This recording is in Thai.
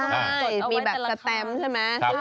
ใช่มีแบบสแตมใช่ไหม